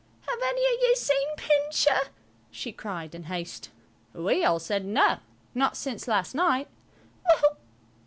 "Have any of you seen Pincher?" she cried, in haste. We all said, "No, not since last night."